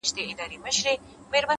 هر انسان د الهام سرچینه کېدای شي,